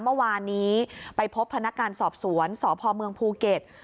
เมื่อวานนี้ไปพบพนักงานสอบสวนสพเมืองภูเก็ต